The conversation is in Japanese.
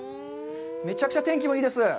めちゃくちゃ天気もいいです。